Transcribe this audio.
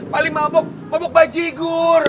paling mabuk mabuk pak jigur